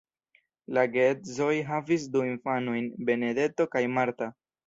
La geedzoj havis du infanojn Benedetto kaj Marta.